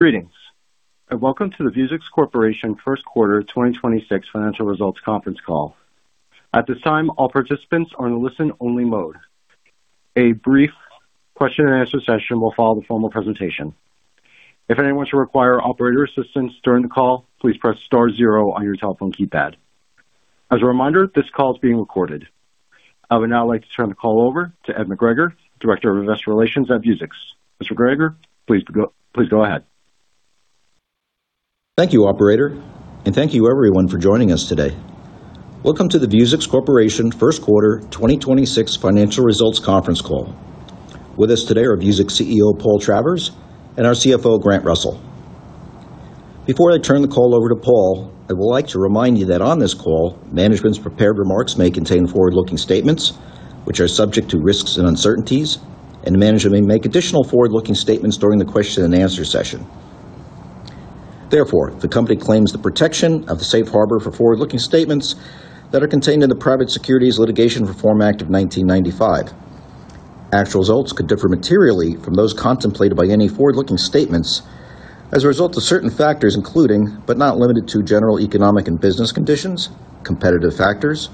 Greetings, and welcome to the Vuzix Corporation First Quarter 2026 Financial Results Conference Call. I would now like to turn the call over to Ed McGregor, Director of Investor Relations at Vuzix. Mr. McGregor, please go ahead. Thank you, operator, and thank you everyone for joining us today. Welcome to the Vuzix Corporation First Quarter 2026 Financial Results Conference Call. With us today are Vuzix CEO, Paul Travers, and our CFO, Grant Russell. Before I turn the call over to Paul, I would like to remind you that on this call, management's prepared remarks may contain forward-looking statements which are subject to risks and uncertainties, and management may make additional forward-looking statements during the question and answer session. Therefore, the company claims the protection of the safe harbor for forward-looking statements that are contained in the Private Securities Litigation Reform Act of 1995. Actual results could differ materially from those contemplated by any forward-looking statements as a result of certain factors, including, but not limited to general economic and business conditions, competitive factors,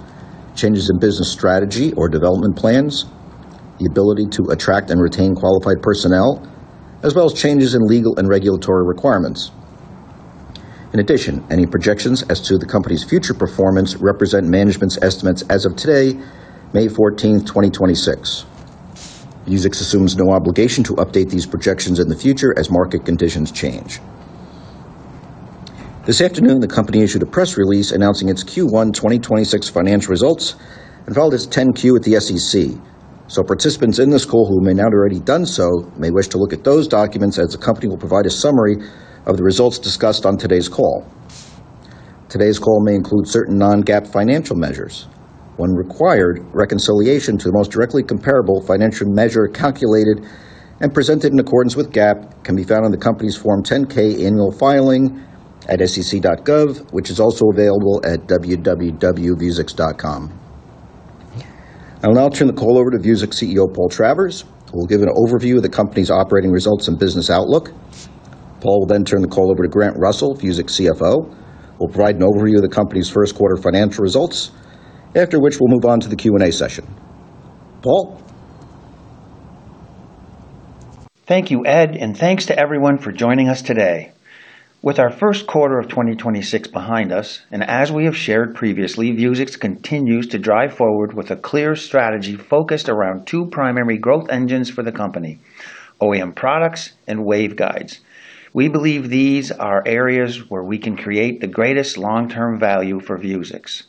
changes in business strategy or development plans, the ability to attract and retain qualified personnel, as well as changes in legal and regulatory requirements. In addition, any projections as to the company's future performance represent management's estimates as of today, May 14, 2026. Vuzix assumes no obligation to update these projections in the future as market conditions change. This afternoon, the company issued a press release announcing its Q1 2026 financial results and filed its 10-Q with the SEC. Participants in this call who may not have already done so may wish to look at those documents as the company will provide a summary of the results discussed on today's call. Today's call may include certain non-GAAP financial measures. When required, reconciliation to the most directly comparable financial measure calculated and presented in accordance with GAAP can be found on the company's Form 10-K annual filing at sec.gov, which is also available at www.vuzix.com. I will now turn the call over to Vuzix CEO, Paul Travers, who will give an overview of the company's operating results and business outlook. Paul will then turn the call over to Grant Russell, Vuzix CFO, who will provide an overview of the company's first quarter financial results, after which we'll move on to the Q&A session. Paul? Thank you, Ed, and thanks to everyone for joining us today. With our first quarter of 2026 behind us, and as we have shared previously, Vuzix continues to drive forward with a clear strategy focused around two primary growth engines for the company: OEM products and waveguides. We believe these are areas where we can create the greatest long-term value for Vuzix.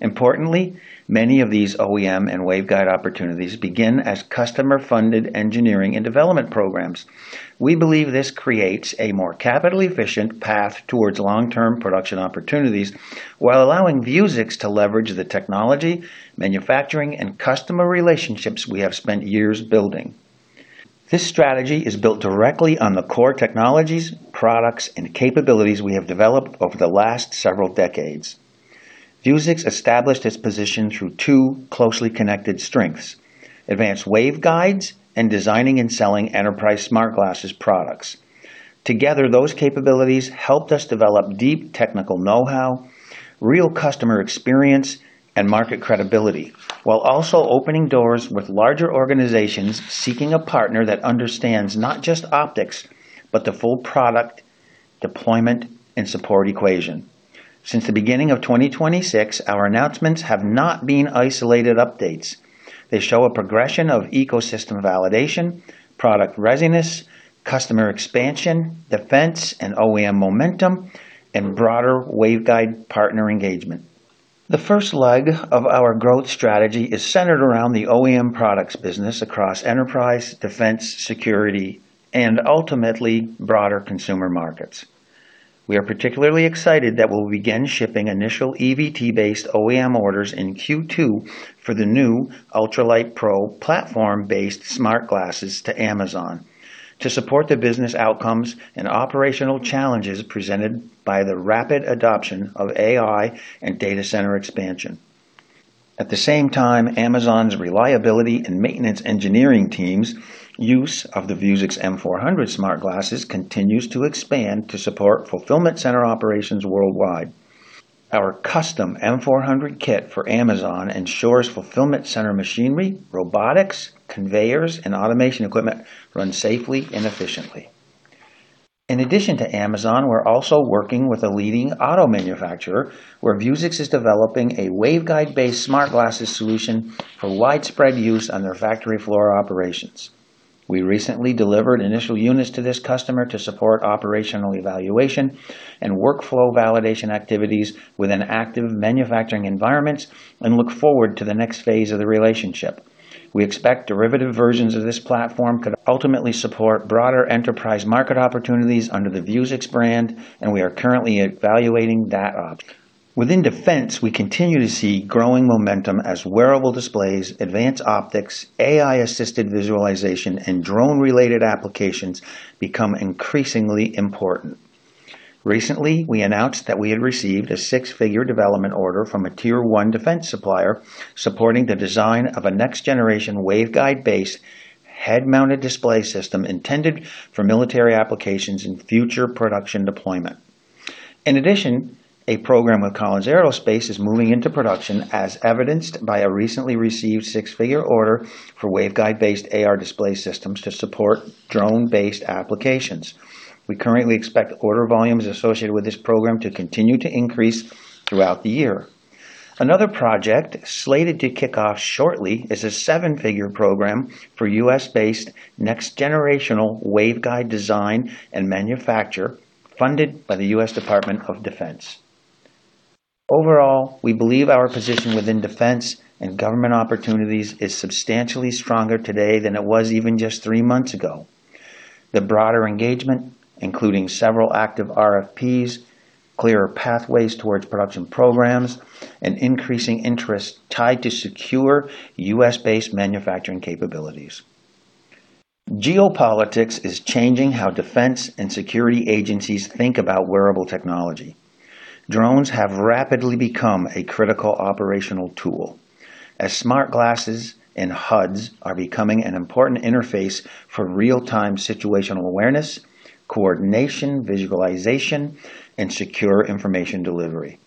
Importantly, many of these OEM and waveguide opportunities begin as customer-funded engineering and development programs. We believe this creates a more capital-efficient path towards long-term production opportunities while allowing Vuzix to leverage the technology, manufacturing, and customer relationships we have spent years building. This strategy is built directly on the core technologies, products, and capabilities we have developed over the last several decades. Vuzix established its position through two closely connected strengths: advanced waveguides and designing and selling enterprise smart glasses products. Together, those capabilities helped us develop deep technical know-how, real customer experience, and market credibility, while also opening doors with larger organizations seeking a partner that understands not just optics, but the full product deployment and support equation. Since the beginning of 2026, our announcements have not been isolated updates. They show a progression of ecosystem validation, product readiness, customer expansion, defense and OEM momentum, and broader waveguide partner engagement. The first leg of our growth strategy is centered around the OEM products business across enterprise, defense, security, and ultimately broader consumer markets. We are particularly excited that we'll begin shipping initial EVT-based OEM orders in Q2 for the new Ultralite Pro platform-based smart glasses to Amazon to support the business outcomes and operational challenges presented by the rapid adoption of AI and data center expansion. At the same time, Amazon's reliability and maintenance engineering teams use of the Vuzix M400 smart glasses continues to expand to support fulfillment center operations worldwide. Our custom M400 kit for Amazon ensures fulfillment center machinery, robotics, conveyors, and automation equipment run safely and efficiently. In addition to Amazon, we're also working with a leading auto manufacturer, where Vuzix is developing a waveguide-based smart glasses solution for widespread use on their factory floor operations. We recently delivered initial units to this customer to support operational evaluation and workflow validation activities within active manufacturing environments and look forward to the next phase of the relationship. We expect derivative versions of this platform could ultimately support broader enterprise market opportunities under the Vuzix brand, and we are currently evaluating that option. Within defense, we continue to see growing momentum as wearable displays, advanced optics, AI-assisted visualization, and drone-related applications become increasingly important. Recently, we announced that we had received a six-figure development order from a tier one defense supplier supporting the design of a next-generation waveguide-based head-mounted display system intended for military applications and future production deployment. In addition, a program with Collins Aerospace is moving into production as evidenced by a recently received six-figure order for waveguide-based AR display systems to support drone-based applications. We currently expect order volumes associated with this program to continue to increase throughout the year. Another project slated to kick off shortly is a seven-figure program for U.S.-based next-generational waveguide design and manufacture funded by the U.S. Department of Defense. Overall, we believe our position within defense and government opportunities is substantially stronger today than it was even just three months ago. The broader engagement, including several active RFPs, clearer pathways towards production programs, and increasing interest tied to secure U.S.-based manufacturing capabilities. Geopolitics is changing how defense and security agencies think about wearable technology. Drones have rapidly become a critical operational tool, as smart glasses and HUDs are becoming an important interface for real-time situational awareness, coordination, visualization, and secure information delivery.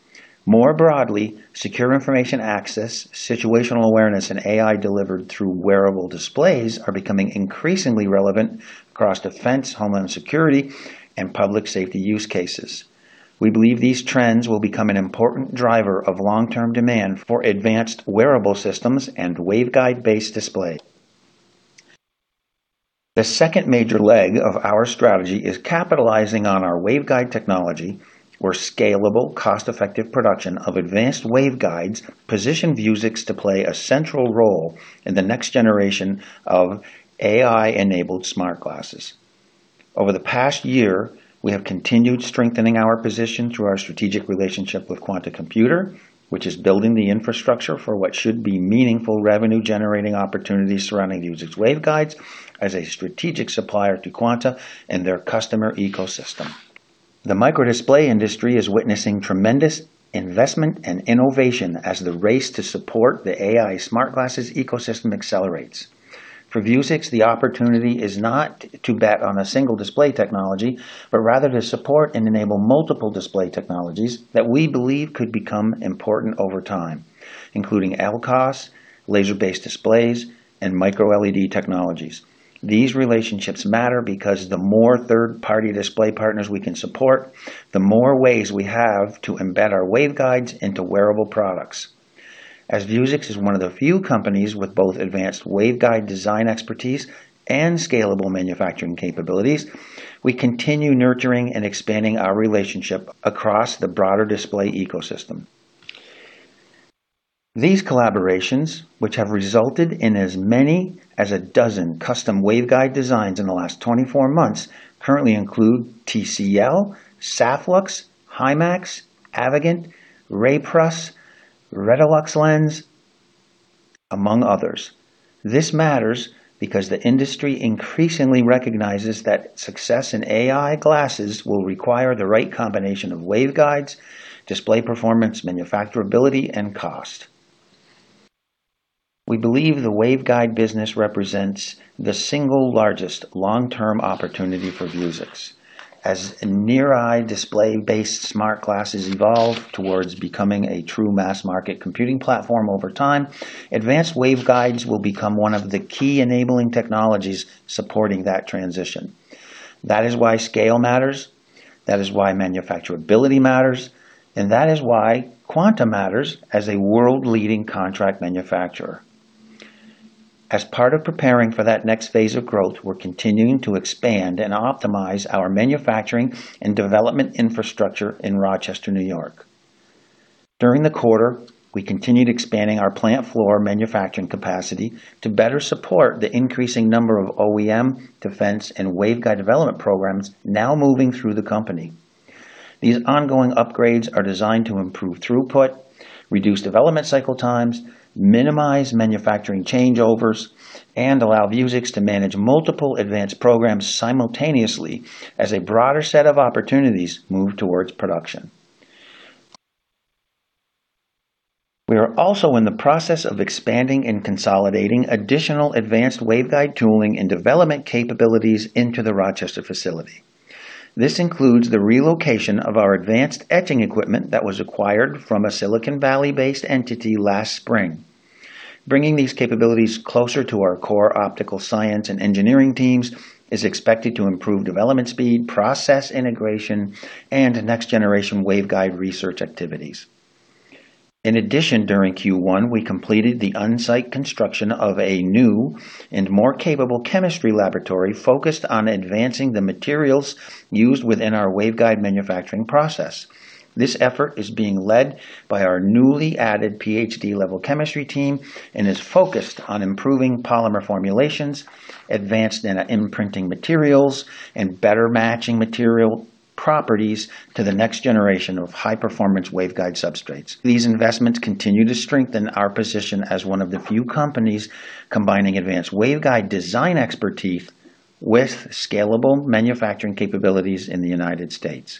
More broadly, secure information access, situational awareness, and AI delivered through wearable displays are becoming increasingly relevant across defense, homeland security, and public safety use cases. We believe these trends will become an important driver of long-term demand for advanced wearable systems and waveguide-based display. The second major leg of our strategy is capitalizing on our waveguide technology, where scalable, cost-effective production of advanced waveguides positioned Vuzix to play a central role in the next generation of AI-enabled smart glasses. Over the past year, we have continued strengthening our position through our strategic relationship with Quanta Computer, which is building the infrastructure for what should be meaningful revenue-generating opportunities surrounding Vuzix waveguides as a strategic supplier to Quanta and their customer ecosystem. The microdisplay industry is witnessing tremendous investment and innovation as the race to support the AI smart glasses ecosystem accelerates. For Vuzix, the opportunity is not to bet on a single display technology, but rather to support and enable multiple display technologies that we believe could become important over time, including LCOS, laser-based displays, and microLED technologies. These relationships matter because the more third-party display partners we can support, the more ways we have to embed our waveguides into wearable products. As Vuzix is one of the few companies with both advanced waveguide design expertise and scalable manufacturing capabilities, we continue nurturing and expanding our relationship across the broader display ecosystem. These collaborations, which have resulted in as many as a dozen custom waveguide designs in the last 24 months, currently include TCL, Saphlux, Himax, Avegant, Rayprus, Redoxlens, among others. This matters because the industry increasingly recognizes that success in AI glasses will require the right combination of waveguides, display performance, manufacturability, and cost. We believe the waveguide business represents the single largest long-term opportunity for Vuzix. As near-eye display-based smart glasses evolve towards becoming a true mass market computing platform over time, advanced waveguides will become one of the key enabling technologies supporting that transition. That is why scale matters, that is why manufacturability matters, and that is why Quanta matters as a world-leading contract manufacturer. As part of preparing for that next phase of growth, we're continuing to expand and optimize our manufacturing and development infrastructure in Rochester, New York. During the quarter, we continued expanding our plant floor manufacturing capacity to better support the increasing number of OEM, defense, and waveguide development programs now moving through the company. These ongoing upgrades are designed to improve throughput, reduce development cycle times, minimize manufacturing changeovers, and allow Vuzix to manage multiple advanced programs simultaneously as a broader set of opportunities move towards production. We are also in the process of expanding and consolidating additional advanced waveguide tooling and development capabilities into the Rochester facility. This includes the relocation of our advanced etching equipment that was acquired from a Silicon Valley-based entity last spring. Bringing these capabilities closer to our core optical science and engineering teams is expected to improve development speed, process integration, and next-generation waveguide research activities. In addition, during Q1, we completed the on-site construction of a new and more capable chemistry laboratory focused on advancing the materials used within our waveguide manufacturing process. This effort is being led by our newly added PhD-level chemistry team and is focused on improving polymer formulations, advanced nanoimprinting materials, and better matching material properties to the next generation of high-performance waveguide substrates. These investments continue to strengthen our position as one of the few companies combining advanced waveguide design expertise with scalable manufacturing capabilities in the United States.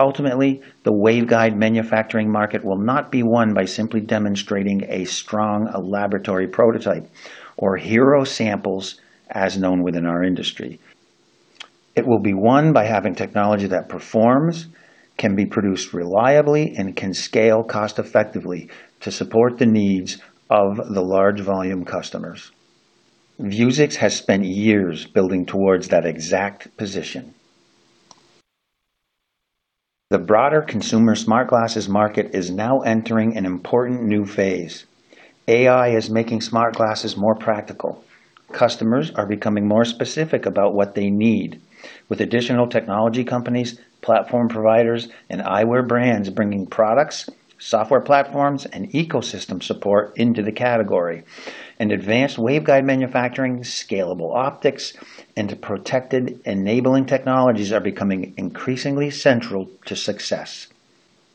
Ultimately, the waveguide manufacturing market will not be won by simply demonstrating a strong laboratory prototype or hero samples as known within our industry. It will be won by having technology that performs, can be produced reliably, and can scale cost effectively to support the needs of the large volume customers. Vuzix has spent years building towards that exact position. The broader consumer smart glasses market is now entering an important new phase. AI is making smart glasses more practical. Customers are becoming more specific about what they need, with additional technology companies, platform providers, and eyewear brands bringing products, software platforms, and ecosystem support into the category. Advanced waveguide manufacturing, scalable optics, and protected enabling technologies are becoming increasingly central to success.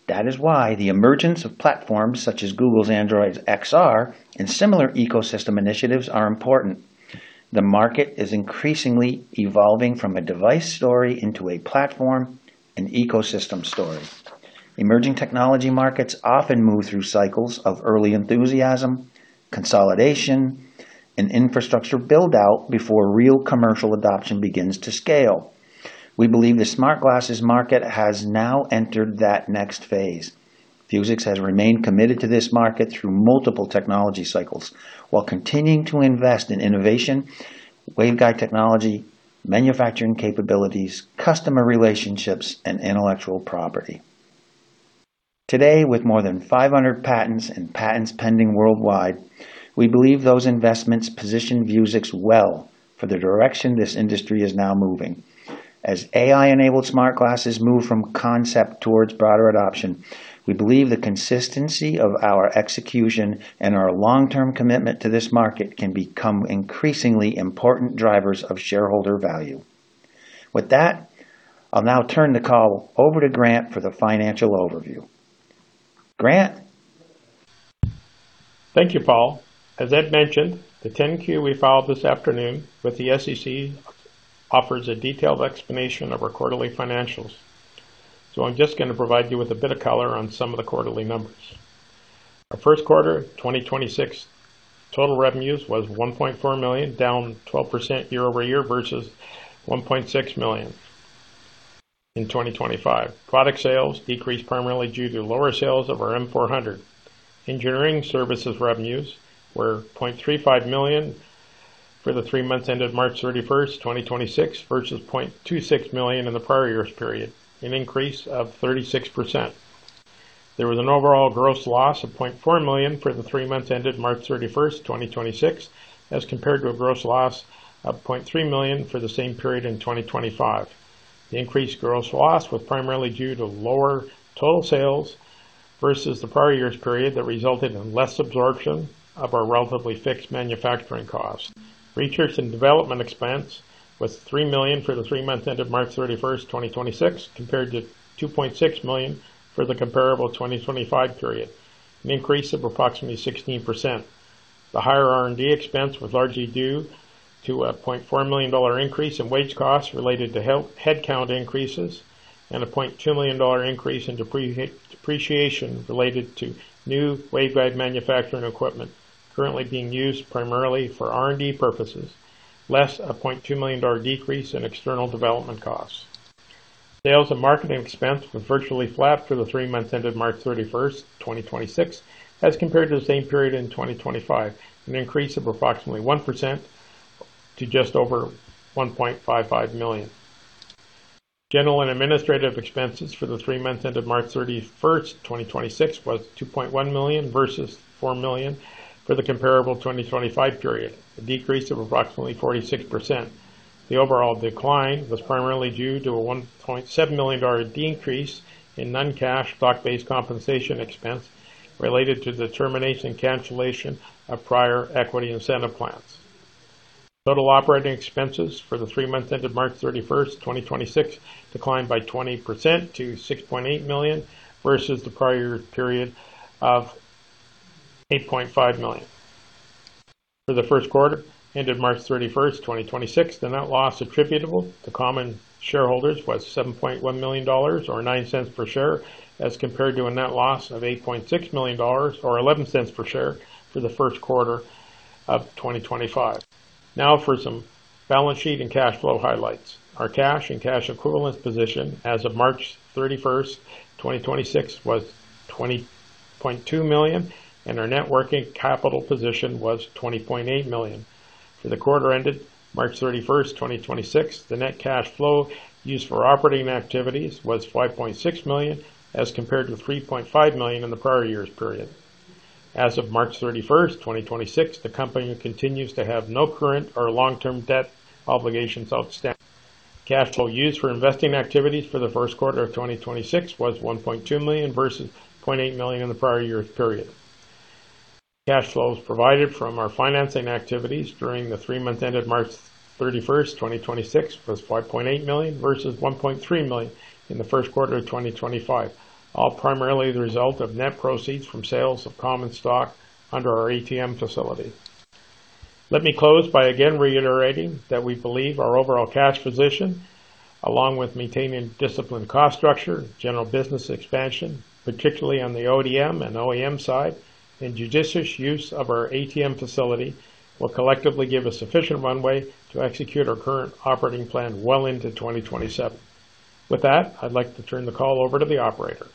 That is why the emergence of platforms such as Google's Android XR and similar ecosystem initiatives are important. The market is increasingly evolving from a device story into a platform and ecosystem story. Emerging technology markets often move through cycles of early enthusiasm, consolidation, and infrastructure build-out before real commercial adoption begins to scale. We believe the smart glasses market has now entered that next phase. Vuzix has remained committed to this market through multiple technology cycles, while continuing to invest in innovation, waveguide technology, manufacturing capabilities, customer relationships, and intellectual property. Today, with more than 500 patents and patents pending worldwide, we believe those investments position Vuzix well for the direction this industry is now moving. As AI-enabled smart glasses move from concept towards broader adoption, we believe the consistency of our execution and our long-term commitment to this market can become increasingly important drivers of shareholder value. With that, I'll now turn the call over to Grant for the financial overview. Grant? Thank you, Paul. As Ed mentioned, the 10-Q we filed this afternoon with the SEC offers a detailed explanation of our quarterly financials. I'm just gonna provide you with a bit of color on some of the quarterly numbers. Our first quarter 2026 total revenues was $1.4 million, down 12% year-over-year versus $1.6 million in 2025. Product sales decreased primarily due to lower sales of our M400. Engineering services revenues were $0.35 million for the three months ended March 31st, 2026 versus $0.26 million in the prior year's period, an increase of 36%. There was an overall gross loss of $0.4 million for the three months ended March 31st, 2026, as compared to a gross loss of $0.3 million for the same period in 2025. The increased gross loss was primarily due to lower total sales versus the prior year's period that resulted in less absorption of our relatively fixed manufacturing costs. Research and development expense was $3 million for the three months ended March 31st, 2026, compared to $2.6 million for the comparable 2025 period, an increase of approximately 16%. The higher R&D expense was largely due to a $0.4 million increase in wage costs related to headcount increases and a $0.2 million increase in depreciation related to new waveguide manufacturing equipment currently being used primarily for R&D purposes, less a $0.2 million decrease in external development costs. Sales and marketing expense was virtually flat for the three months ended March 31st, 2026, as compared to the same period in 2025, an increase of approximately 1% to just over $1.55 million. General and administrative expenses for the three months ended March 31st, 2026 was $2.1 million versus $4 million for the comparable 2025 period, a decrease of approximately 46%. The overall decline was primarily due to a $1.7 million decrease in non-cash stock-based compensation expense related to the termination and cancellation of prior equity incentive plans. Total operating expenses for the three months ended March 31st, 2026 declined by 20% to $6.8 million versus the prior period of $8.5 million. For the first quarter ended March 31st, 2026, the net loss attributable to common shareholders was $7.1 million or $0.09 per share as compared to a net loss of $8.6 million or $0.11 per share for the first quarter of 2025. Now for some balance sheet and cash flow highlights. Our cash and cash equivalents position as of March 31st, 2026, was $20.2 million, and our net working capital position was $20.8 million. For the quarter ended March 31st, 2026, the net cash flow used for operating activities was $5.6 million as compared to $3.5 million in the prior year's period. As of March 31st, 2026, the company continues to have no current or long-term debt obligations outstanding. Cash flow used for investing activities for the first quarter of 2026 was $1.2 million versus $0.8 million in the prior year's period. Cash flows provided from our financing activities during the three months ended March 31, 2026 was $5.8 million versus $1.3 million in the first quarter of 2025, all primarily the result of net proceeds from sales of common stock under our ATM facility. Let me close by again reiterating that we believe our overall cash position, along with maintaining disciplined cost structure, general business expansion, particularly on the ODM and OEM side, and judicious use of our ATM facility, will collectively give us sufficient runway to execute our current operating plan well into 2027. With that, I'd like to turn the call over to the operator.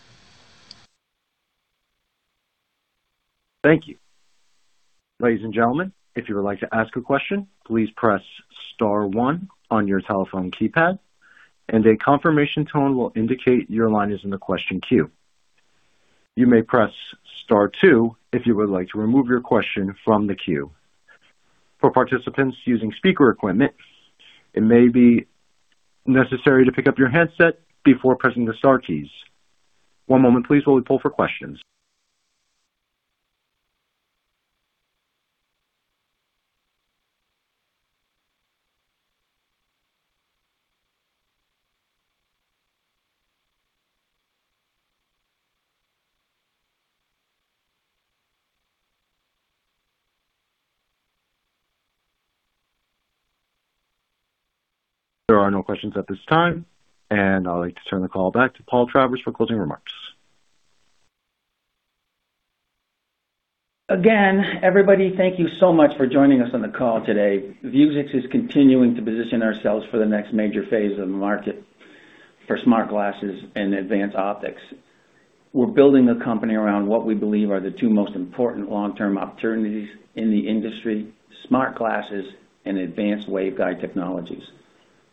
There are no questions at this time. I'd like to turn the call back to Paul Travers for closing remarks. Again, everybody, thank you so much for joining us on the call today. Vuzix is continuing to position ourselves for the next major phase of the market for smart glasses and advanced optics. We're building the company around what we believe are the two most important long-term opportunities in the industry, smart glasses and advanced waveguide technologies.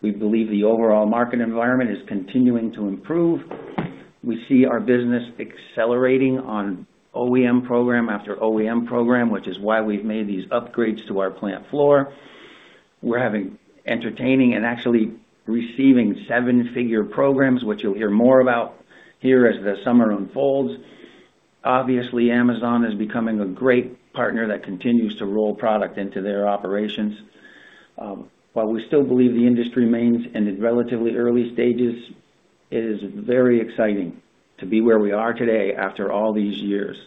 We believe the overall market environment is continuing to improve. We see our business accelerating on OEM program after OEM program, which is why we've made these upgrades to our plant floor. We're having entertaining and actually receiving seven figure programs, which you'll hear more about here as the summer unfolds. Obviously, Amazon is becoming a great partner that continues to roll product into their operations. While we still believe the industry remains in the relatively early stages, it is very exciting to be where we are today after all these years.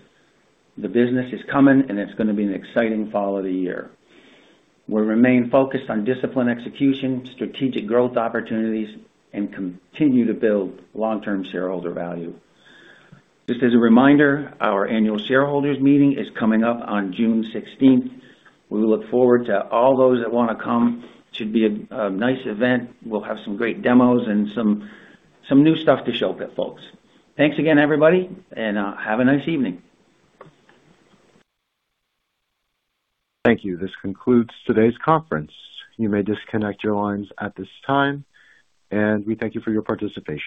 The business is coming. It's going to be an exciting fall of the year. We remain focused on disciplined execution, strategic growth opportunities, and continue to build long-term shareholder value. Just as a reminder, our annual shareholders meeting is coming up on June 16th. We look forward to all those that want to come. It should be a nice event. We'll have some great demos and some new stuff to show the folks. Thanks again, everybody. Have a nice evening. Thank you. This concludes today's conference. You may disconnect your lines at this time, and we thank you for your participation.